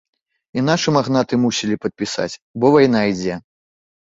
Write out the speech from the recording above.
І нашыя магнаты мусілі падпісаць, бо вайна ідзе.